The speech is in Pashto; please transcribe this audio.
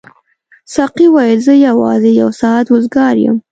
ساقي وویل زه یوازې یو ساعت وزګار یم.